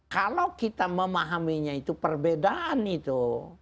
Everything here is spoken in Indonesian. kalau kita memahaminya itu perbedaan itu